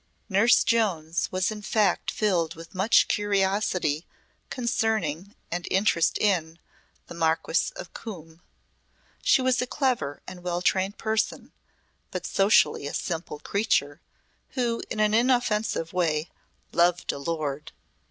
Nurse Jones was in fact filled with much curiosity concerning and interest in the Marquis of Coombe. She was a clever and well trained person, but socially a simple creature, who in an inoffensive way "loved a lord."